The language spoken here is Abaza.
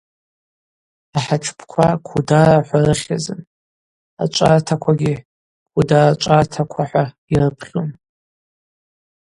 Ахӏатшпква Кударо – хӏва рыхьзын, ачӏвартаквагьи Кударо чӏвартаква – хӏва йрыпхьун.